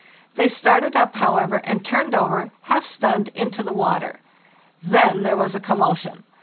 They started up, however, and turned over, half stunned, into the water. Then there was a commotion!